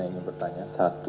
yang ingin bertanya